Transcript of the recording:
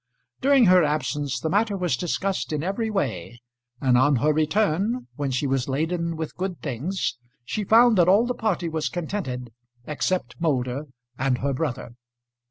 During her absence the matter was discussed in every way, and on her return, when she was laden with good things, she found that all the party was contented except Moulder and her brother.